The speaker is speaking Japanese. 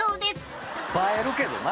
映えるけどな。